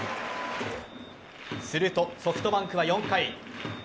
すると、ソフトバンクは４回。